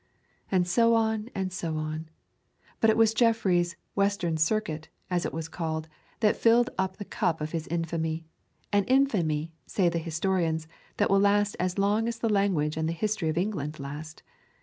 And so on, and so on. But it was Jeffreys' 'Western Circuit,' as it was called, that filled up the cup of his infamy an infamy, say the historians, that will last as long as the language and the history of England last.